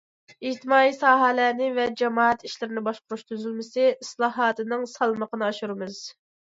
ئىجتىمائىي ساھەلەرنى ۋە جامائەت ئىشلىرىنى باشقۇرۇش تۈزۈلمىسى ئىسلاھاتىنىڭ سالمىقىنى ئاشۇرىمىز.